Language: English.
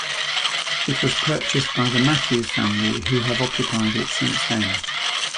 It was purchased by the Matthews family who have occupied it since then.